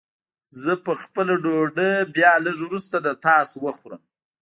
زه به خپله ډوډۍ بيا لږ وروسته له تاسو وخورم.